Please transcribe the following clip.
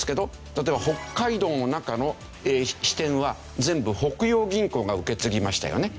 例えば北海道の中の支店は全部北洋銀行が受け継ぎましたよね。